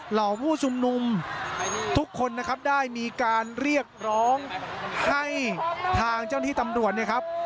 เหล่าผู้ชุมนุมทุกคนนะครับได้มีการเรียกร้องให้ทางเจ้าหน้าที่ตำรวจเนี่ยครับ